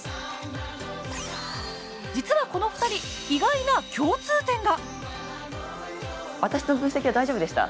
実はこの２人、意外な共通点が。